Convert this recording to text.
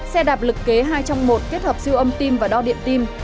xe đạp lực kế hai trong một kết hợp siêu âm tim và đo điện tim